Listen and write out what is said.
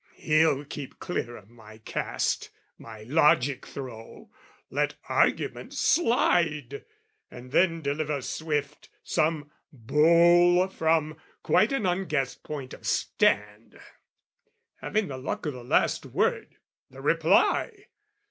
He'll keep clear of my cast, my logic throw, Let argument slide, and then deliver swift Some bowl from quite an unguessed point of stand Having the luck o' the last word, the reply!